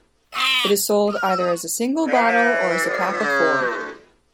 It is sold either as a single bottle or as a pack of four.